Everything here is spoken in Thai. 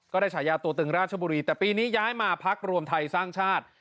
ฉายาตัวตึงราชบุรีแต่ปีนี้ย้ายมาพักรวมไทยสร้างชาติ